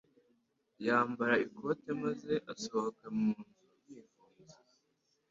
Yambara ikote maze asohoka mu nzu yifunze.